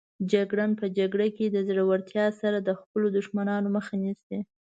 جګړن په جګړه کې د زړورتیا سره د خپلو دښمنانو مخه نیسي.